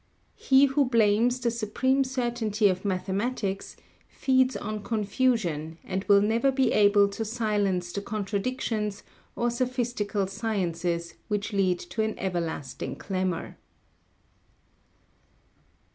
He who blames the supreme certainty of mathematics feeds on confusion and will never be able to silence the contradictions or sophistical sciences which lead to an everlasting clamour.